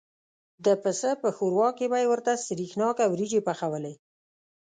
د پسه په شوروا کې به یې ورته سرېښناکه وریجې پخوالې.